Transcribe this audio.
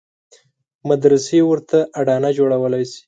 مدرسې ورته اډانه جوړولای شي.